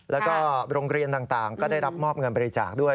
แล้วก็โรงเรียนต่างก็ได้รับมอบเงินบริจาคด้วย